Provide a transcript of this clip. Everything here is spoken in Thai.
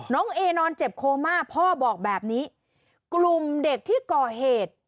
น้องเอนอนเจ็บโคม่าพ่อบอกแบบนี้กลุ่มเด็กที่ก่อเหตุ